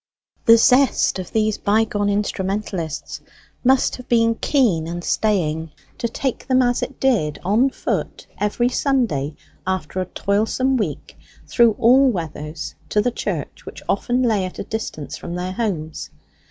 The zest of these bygone instrumentalists must have been keen and staying to take them, as it did, on foot every Sunday after a toilsome week, through all weathers, to the church, which often lay at a distance from their homes.